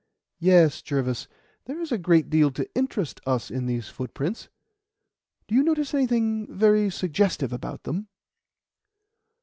Yes, Jervis, there is a great deal to interest us in these footprints. Do you notice anything very suggestive about them?"